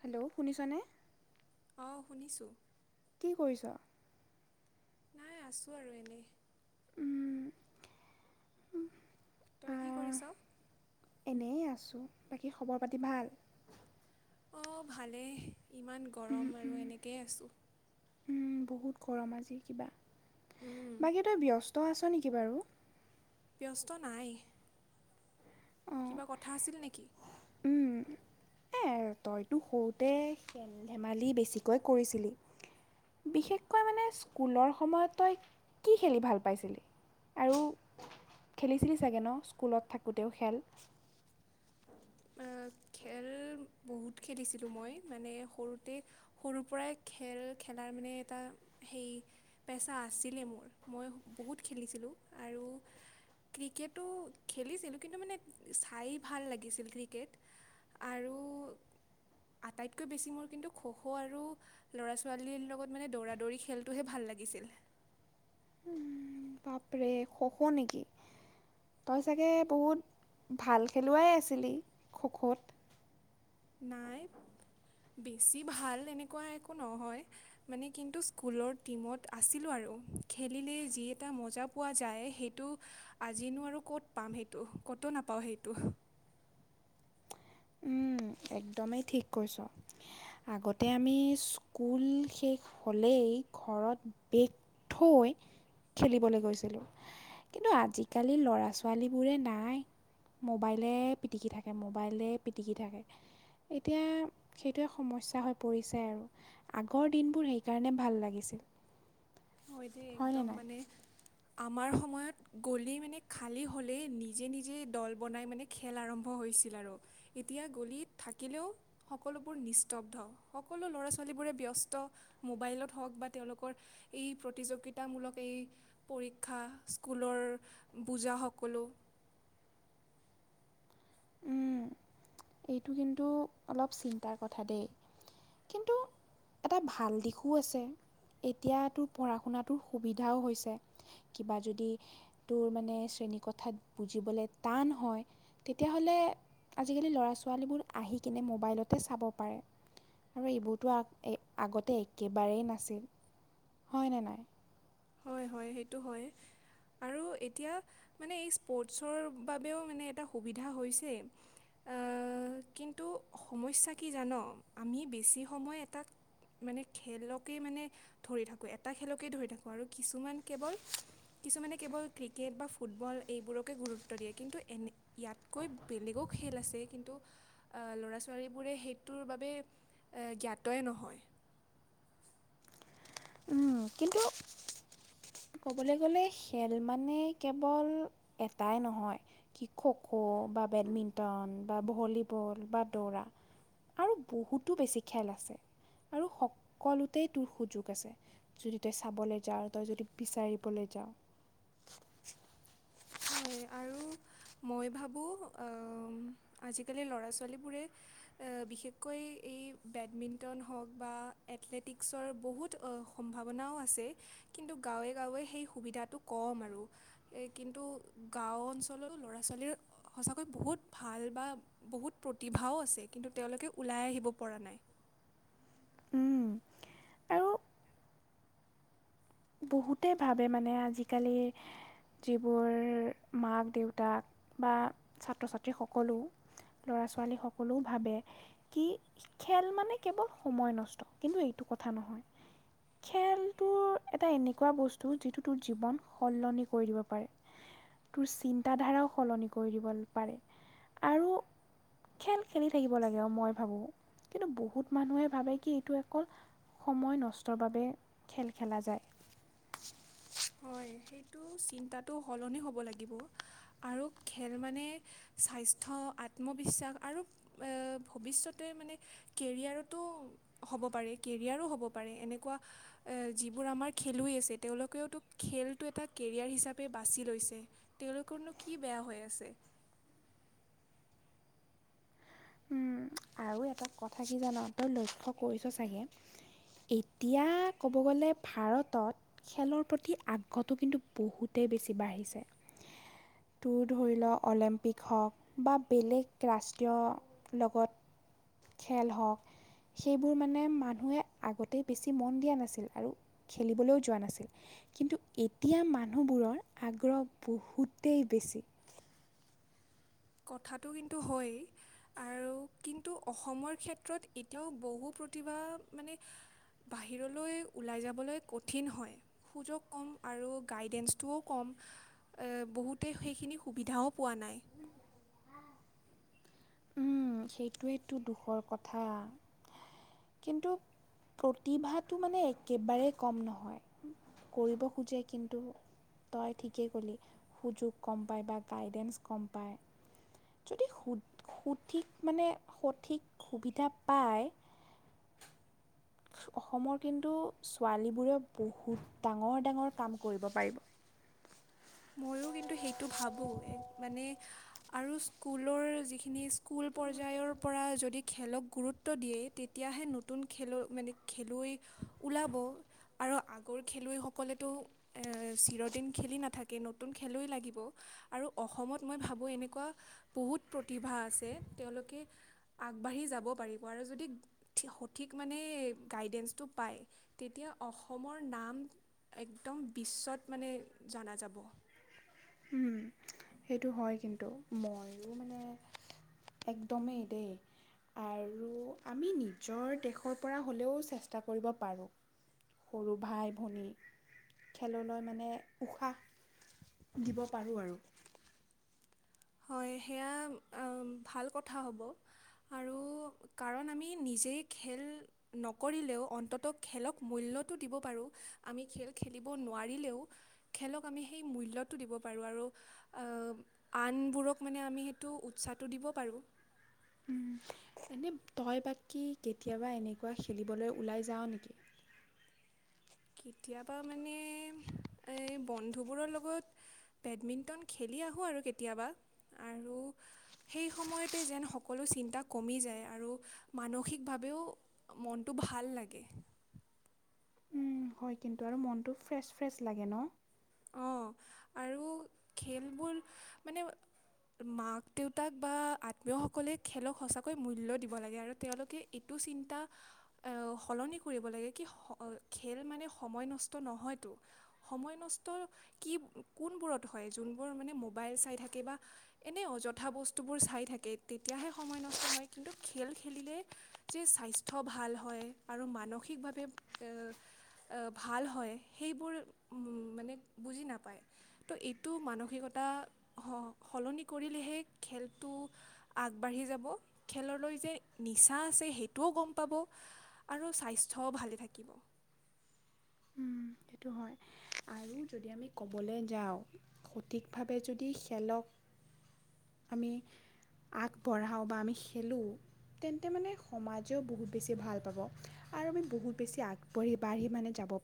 Hello, শুনিছনে? অ', শুনিছোঁ। কি কৰিছ? নাই আছোঁ আৰু এনেই। উম। তই কি আহ, কৰিছ? এনেই আছোঁ বাকী খবৰ পাতি ভাল। অ', ভালেই ইমান উম, গৰম আৰু উম, এনেকেই আছোঁ। উম বহুত গৰম আজি কিবা, উম, বাকী তই ব্যস্ত ব্যস্ত আছ নেকি বাৰু ব্যস্ত নাই। অঁ কিবা কথা আছিল নেকি? এই তইতো সৰুতে খেল ধেমালি বেছিকৈ কৰিছিলি। বিশেষকৈ মানে স্কুলৰ সময়ত তই কি খেলি ভাল পাইছিলি? আৰু খেলিছিলি চাগে ন', স্কুলত থাকোঁতেও খেল খেল বহুত খেলিছিলোঁ মই মানে সৰুতে সৰুৰ পৰাই খেল খেলাৰ মানে এটা সেই পেচা আছিলে মোৰ মই বহুত খেলিছিলোঁ আৰু। ক্ৰিকেটো খেলিছিলো কিন্তু মানে চাই ভাল লাগিছিল ক্ৰিকেট আৰু। আটাইতকৈ বেছি মোৰ কিন্তু খো' খো' আৰু ল'ৰা ছোৱালীৰ লগত মানে দৌৰা দৌৰি খেলটোহে ভাল লাগ লাগিছিলে। বাপৰে শখ নেকি তই চাগে বহুত ভাল খেলুৱাই আছিলি খ' খ'ত নাই বেছি ভাল এনেকুৱা একো নহয় মানে কিন্তু স্কুলৰ টিমত আছিলোঁ আৰু খেলিলে যি এটা মজা পোৱা যায় সেইটো আজিনো আৰু ক'ত পাম সেইটো কোটো নাপাওঁ সেইটো উম একদমেই ঠিক কৈছ আগতে আমি স্কুল শেষ হ'লেই ঘৰত বেগ থৈ খেলিবলৈ গৈছিলোঁ কিন্তু আজিকালি ল'ৰা ছোৱালীবোৰে নাই মোবাইলে পিটিকি থাকে মোবাইলে পিটিকি থাকে এতিয়া সেইটোৱে সমস্যা হৈ পৰিছে আৰু আগৰ দিনবোৰ সেইকাৰণে ভাল লাগিছিল হয় দেই হয়নে একদম নাই মানে আমাৰ সম সময়ত গলিত মানে খালী হ'লেই নিজে নিজে দল বনাই মানে খেল আৰম্ভ হৈছিল আৰু এতিয়া গলিত থাকিলেও সকলোবোৰ নিস্তব্ধ সকলো ল'ৰা ছোৱালীবোৰে ব্যস্ত মোবাইলত হওক বা তেওঁলোকৰ এই প্ৰতিযোগিতামূলক এই পৰীক্ষা স্কুলৰ বোজাসকলো [unintelligible] উম, এইটো কিন্তু অলপ চিন্তাৰ কথা দেই কিন্তু এটা ভাল দিশো আছে এতিয়া তোৰ পঢ়া শুনাটোৰ সুবিধাও হৈছে কিবা যদি তোৰ মানে কথা বুজিবলৈ টান হয় তেতিয়া হলে আজি কৈ লৰা ছো ছোৱালীবোৰ আহি কিনে মোবাইলতে চাব পাৰে আৰু এইবোৰতো আগতে একেবাৰেই নাছিল হয়নে নাই হয় হয় সেইটো হয় আৰু এতিয়া মানে এই স্পৰ্টছৰ বাবেও মানে এটা সুবিধা হৈছে কিন্তু সমস্যা কি জান আমি বেছি সময় এটা মানে খেলকে মানে ধৰি থাকো এটা খেলকে ধৰি থাকো। আৰু কিছুমান কেৱল কিছুমানে কেৱল ক্ৰিকেট বা ফুটবল এইবোৰকে গুৰুত্ব দিয়ে কিন্তু। এনে ইয়াতকৈ বেলেগো খেল আছে কিন্তু ল'ৰা ছোৱালীবোৰে সেইটোৰ বাবে জ্ঞাতই নহয়। উম, কিন্তু ক'বলৈ গ'লে খেল মানে কেৱল এটাই নহয় কৃষক খ খ' বা বেডমিণ্টন বা ভলীবল বা দৌৰা আৰু বহুতো বেছি খেল আছে। আৰু সকলোতেই তোৰ সুযোগ আছে যদি তই চাবলৈ যা তই যদি বিচাৰিবলৈ যাওঁ। হয় আৰু মই ভাবোঁ আজিকালি ল'ৰা ছোৱালীবোৰে বিশেষকৈ এই বেডমিণ্টন হওক বা এথলেটিকছৰ বহুত সম্ভাৱনাও আছে। কিন্তু গাঁৱে গাঁৱে সেই সুবিধটোক কম আৰু এই কিন্তু গাঁও অঞ্চলৰ ল'ৰা ছোৱালীৰ সঁচাকৈ বহুত ভাল বা বহুত প্ৰতিভাও আছে। কিন্তু তেওঁলোকে ওলাই আহিব পৰা নাই। আৰু বহুতে ভাবে মানে আজিকালি যিবোৰ মাক দেউতাক বা ছাত্ৰ ছাত্ৰীসকলো ল'ৰা ছোৱালী সকলেও ভাবে কি খেল মানে কেৱল সময় নষ্ট কিন্তু এইটো নহয় খেলটো এটা এনেকুৱা বস্তু যিটো তোৰ জীৱন সলনি কৰি দিব পাৰে তোৰ চিন্তাধাৰাও সলনি কৰি দিব পাৰে আৰু খেল খেলি থাকিব লাগে আৰু মই ভাবো কিন্তু বহুত মানুহে ভাবে কি এইটো অকল সময় নষ্টৰ বাবে খেল খেলা যায়। হয়। সেইটো চিন্তাটো সলনি হ'ব লাগিব আৰু খেল মানে স্বাস্থ্য আত্মবিশ্বাস আৰু ভৱিষতে মানে কেৰিয়াৰ টো হ'ব পাৰে কেৰিয়াৰো হ'ব পাৰে এনেকুৱা যিবোৰ আমাৰ খেলুৱৈ আছে তেওঁলোকেওতো খেলটো এটা কেৰিয়াৰ হিচাপে বাছি লৈছে। তেওঁলোকৰনো কি বেয়া হৈ আছে? [inaudible] আৰু এটা কথা কি জান তই লক্ষ্য কৰিছ চাগে এতিয়া ক'ব গ'লে ভাৰতত খেলৰ প্ৰতি আগ্ৰহটো কিন্তু বহুতে বেছি বাঢ়িছে। তোৰ ধৰি লওক অলিম্পিক হওক বা বেলেগ ৰাষ্ট্ৰীয় লগত খেল হওক সেইবোৰ মানে মানুহে আগতেই বেছি মন দিয়া নাছিল আৰু খেলিবলৈও যোৱা নাছিল। কিন্তু এতিয়া মানুহবোৰৰ আগ্ৰহ বহুতেই বেছি। উ কথাটো কিন্তু হয়েই আৰু কিন্তু অসমৰ ক্ষেত্ৰত এতিয়াও বহুত প্ৰতিভা মানে বাহিৰলৈ ওলাই যাবলৈ কঠিন হয়। সুযোগ কম আৰু গাইডেঞ্চটোও কম। বহুতে সেইখিনি সুবিধাও পোৱা নাই। উম সেইটোৱেই টো দুখৰ কথা। কিন্তু প্ৰতিভাটো মানে একেবাৰে কম নহয় কৰিব খোজে। কিন্তু তই ঠিকেই ক'লি সুযোগ কম পায় বা গাইডেন্ঞ্চ কম পায়। যদি সু সঠিক মানে সঠিক সুবিধা পায়। অসমৰ কিন্তু ছোৱালীবোৰে বহুত ডাঙৰ ডাঙৰ কাম কৰিব পাৰিব। মইও কিন্তু সেইটো ভাবো মানে আৰু স্কুলৰ যিখিনি স্কুল পৰ্যায়ৰ পৰা যদি খেলক গুৰুত্ব দিয়ে তেতিয়া লাহে নতুন খেলুৱৈ মানে খেলুৱৈ ওলাব আৰু আগৰ খেলুৱৈ সকলেটো এ চিৰদিন খেলি নাথাকে। তাকে নতুন খেলুৱৈ লাগিব আৰু অসমত মই ভাবোঁ এনেকুৱা বহুত প্ৰতিভা আছে। তেওঁলোকে আগবাঢ়ি যাব পাৰিব আৰু যদি সঠিক মানে গাইডেঞ্চটো পায় তেতিয়া অসমৰ নাম একদম বিশ্বত মানে জনা যাব। সেইটো হয় কিন্তু মইও মানে একদমেই দেই আৰু আমি নিজৰ দেশৰ পৰা হ'লেও চেষ্টা কৰিব পাৰোঁ। সৰু ভাই ভনী খেললৈ মানে উৎসাহ দিব পাৰোঁ আৰু হয় সেয়া ভাল কথা হ'ব আৰু কাৰণ আমি নি জে খেল নকৰিলেও অন্তত খেলক মূল্যটো দিব পাৰোঁ। আমি খেল খেলিব নোৱাৰিলেও খেলক আমি সেই মূল্য টো দিব পাৰো আৰু আন বোৰক মানে আমি সেইটো উৎসাহটো দিব পাৰোঁ। উম। এনে তই বাকী কেতিয়াবা এনেকুৱা খেলিবলৈ ওলাই যাৱ নেকি? [inaudible] কেতিয়াবা মানে এ বন্ধুবোৰৰ লগত বেডমিন্টন খেলি আহোঁ আৰু কেতিয়াবা আৰু সেই সময়তে যেন সকলো চিন্তা কমি যায় আৰু আৰু মানসিকভাৱেও মনটো ভাল লাগে। উম, হয় কিন্তু আৰু মনটো ফ্ৰেছ ফ্ৰেছ লাগে ন। অঁ আৰু খেলবোৰ মানে। মাক দেউতাক বা আত্মীয় সকলে খেলক সঁচাকৈ মূল্য দিব লাগে আৰু তেওঁলোকে এইটো চিন্তা সলনি কৰিব লাগে কি খেল মানে সময় নষ্ট নহয়তো সময় নষ্ট কি কোনবোৰত হয় যোনবোৰ মানে মোবাইল চাই থাকে বা এনে অযথা বস্তুবোৰ চাই থাকে তেতিয়াহে সময় নষ্ট হয় কিন্তু খেল খেলিলে যে স্বাস্থ্য ভাল হয় আৰু মানসিক িকভাৱে ভাল হয় সেইবোৰ মানে বুজি নাপায় ত' এইটো মানসিকতা সলনি কৰিলেহে খেলটো আগবাঢ়ি যাব খেললৈ যে নিচা আছে সেইটোও গম পাব আৰু স্বাস্থ্য ভালে থাকিব উম, সেইটো হয় আৰু যদি আমি ক'বলৈ যাওঁ সঠিকভাৱে যদি খেলক উ আমি আগবঢ়াওঁ বা আমি খেলোঁ তেন্তে মানে সমাজেও বহুত বেছি ভাল পাব আৰু আমি বহুত বেছি আগবাঢ়ি বাঢ়ি মানে যাব পাৰঁ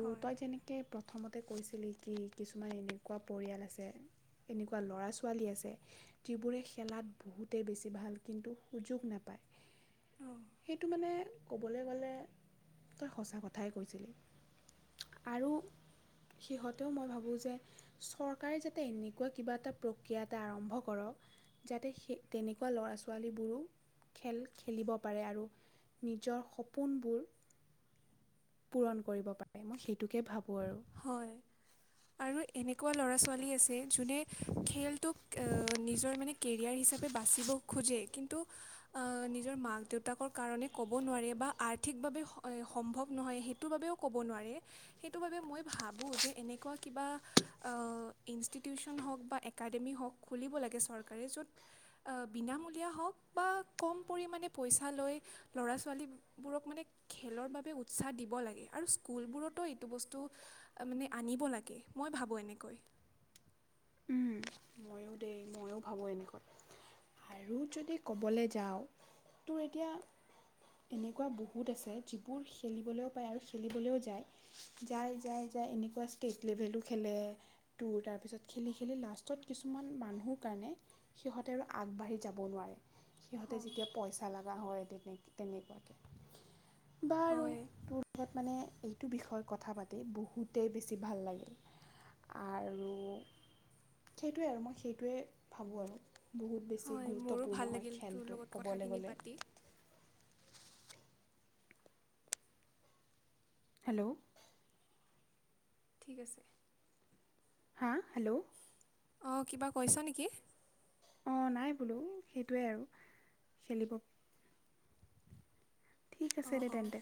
হয় তই যেনেকৈ প্ৰথমতে কৈছিলি কি কিছুমান এনেকুৱা পৰিয়াল আছে এনেকুৱা ল'ৰা ছোৱালী আছে যিবোৰে খেলাত বহুতেই বেছি ভাল কিন্তু সুযোগ নাপায় সেইটো মানে ক'বলৈ গ'লে তই সঁচা কথাই কৈছিলি আৰু সিহঁতেও মই ভাবো যে চৰকাৰে যাতে এনেকুৱা কিবা এটা প্ৰক্ৰিয়া এটা আৰম্ভ কৰক যাতে সেই তেনেকুৱা লৰা ছোৱালীবোৰো খেল খেলিব পাৰে আৰু নিজৰ সপোনবোৰ পূৰণ কৰিব পাৰে মই সেইটোকে ভাবো হয় আৰু এনেকুৱা ল'ৰা ছোৱালী আছে যোনে খেলটোক নিজৰ মানে কেৰিয়াৰ হিচাপে খে কিন্ত নিজৰ মাকতাকণ ক'ব নাৰে সম্ভৱ নহয় সেইটো বাবেও ক'ব নোৱাৰে সেইটো বাবে মই ভাৱো যে এনেকুৱা কিবা অহ ইনষ্টিটিচন বা একাডেমি হওক খুলিব লাগে চৰকাৰে যত অহ বিনামূলীয়া হওক বা কম পৰিমাণে পইচা লৈ ল'ৰা ছোৱালীবোৰক মানে খেলৰ বাবে উৎসাহ দিব লাগে আৰু স্কুলবোৰতো এইটো বস্তু মানে আনিব লাগে মই ভাবোঁ এনেকৈ উম, ময়ো দেই ময়ো ভাবোঁ এনেকই আৰু যদি ক'বলৈ যাওঁ তোৰ এতিয়া এনেকুৱা বহুত আছে যিবোৰ খেলিবলৈও পায় আৰু খেলিবলৈও যায় যায় যায় যে এনেকুৱা ষ্টেট লেভেলো খেলে তোৰ তাৰ পিছত খেলি খেলি লাষ্টত কিছুমান মানুহৰ কাৰণে সিহঁতে আৰু আগবাঢ়ি যাব নোৱাৰে সিহঁতে অ', যেতিয়া পইচা লাগ হয় তেনে তেনেকুৱাকে বাৰু হয় তোৰ লগত মানে বিষয় কথা পাতি বহুতেই বেছি ভাল লাগিল আৰু [inaudible] সেইটোৱে আৰু মই সেইটোৱে ভাবো আৰু বহুত বেছি হয় মোৰো ভাল গুৰুত্বপূৰ্ণ হয় লাগিল তোৰ খেলটো লগত ক'বলৈ কথাখিনি গ'লে পাতি হেল্ল' ঠিক আছে হা হেল্ল' অ কিবা কৈছা নেকি অ নাই বোলো সেইটোৱে আৰু খেলিব ঠিক আছে অঁ দে অঁ তেন্তে